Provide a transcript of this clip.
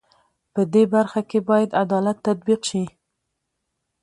په دې برخه کې بايد عدالت تطبيق شي.